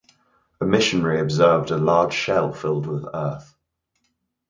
A missionary observed a large shell filled with earth.